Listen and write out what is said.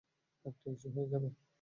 এটা একটা ইস্যু হয়ে যাবে।